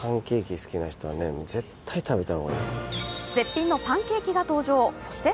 絶品のパンケーキが登場、そして